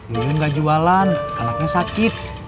iyung gak jualan anaknya sakit